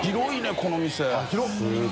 この店。